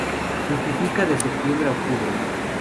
Fructifica de septiembre a octubre.